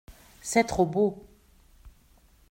C’est trop beau.